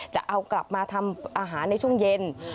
จะเอากลับมาทำอาหารในช่วงเย็น